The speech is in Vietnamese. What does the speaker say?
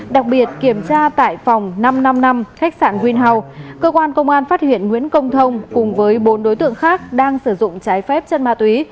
đặc biệt kiểm tra tại phòng năm trăm năm mươi năm khách sạn win house cơ quan công an phát hiện nguyễn công thông cùng với bốn đối tượng khác đang sử dụng trái phép chân ma túy